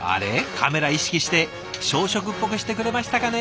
カメラ意識して少食っぽくしてくれましたかね？